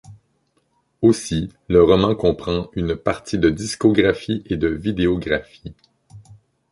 Aussi, le roman comprend une partie de discographie et de vidéographie.